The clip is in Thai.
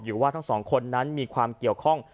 อยู่ว่าทั้งสองคนนั้นมีความเกี่ยวข้อง